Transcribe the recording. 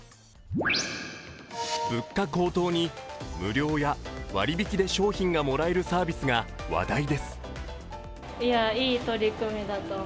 物価高騰に無料や割引で商品がもらえるサービスが話題です。